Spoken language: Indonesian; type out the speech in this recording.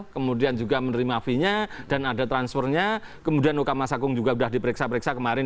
kemudian juga menerima fee nya dan ada transfernya kemudian mahkamah sagung juga sudah diperiksa periksa kemarin